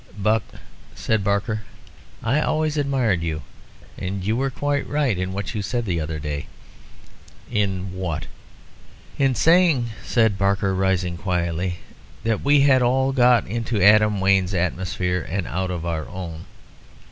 "Buck," said Barker, "I always admired you. And you were quite right in what you said the other day." "In what?" "In saying," said Barker, rising quietly, "that we had all got into Adam Wayne's atmosphere and out of our own.